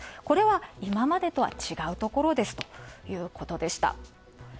これは今までとは違うところですということでした。